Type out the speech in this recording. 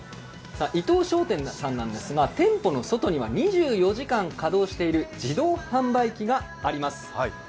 伊藤商店さんなんですが店舗の外には２４時間稼働している自動販売機があります。